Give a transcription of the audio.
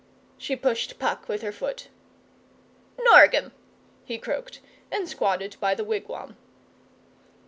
She pushed Puck with her foot. 'Norgem,' he croaked, and squatted by the wigwam.